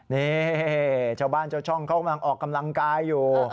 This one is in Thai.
นี่ชาวบ้านชาวช่องเขากำลังออกกำลังกายอยู่